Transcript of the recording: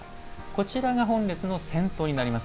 こちらが本列の先頭になります。